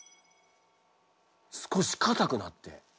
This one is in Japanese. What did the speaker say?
少しかたくなって。